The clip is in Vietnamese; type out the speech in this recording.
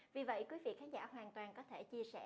vì vậy quý vị khán giả hoàn toàn có thể chia sẻ